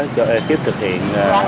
cho ekip thực hiện